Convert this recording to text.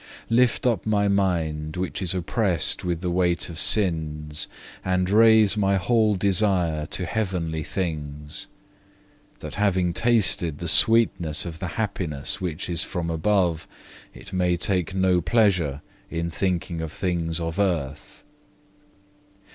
Lift up my mind which is oppressed with the weight of sins, and raise my whole desire to heavenly things; that having tasted the sweetness of the happiness which is from above, it may take no pleasure in thinking of things of earth.